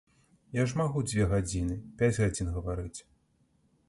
Я ж магу дзве гадзіны, пяць гадзін гаварыць!